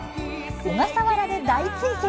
小笠原で大追跡！